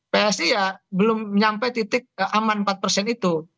psi ya belum nyampe titik aman empat persen itu